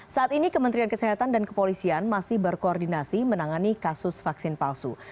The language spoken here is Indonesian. saat ini kementerian kesehatan dan kepolisian masih berkoordinasi menangani kasus vaksin palsu